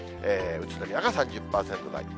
宇都宮が３０％台。